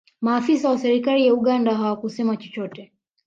maafisa wa serikali ya uganda hawakusema chochote